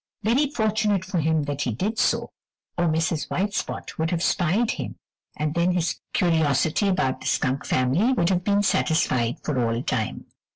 Very fortunate for him that he did so, or Mrs. White Spot would have spied him, and then his curiosity about the skunk family would have been satisfied for all time.